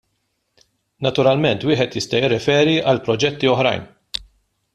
Naturalment wieħed jista' jirriferi għal proġetti oħrajn.